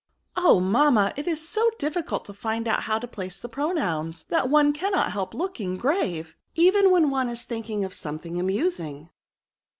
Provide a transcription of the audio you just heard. '^ Oh ! mamma, it is so difficult to find out how to place the pronouns, that one cannot help looking grave, even when one is think ing of something amusing."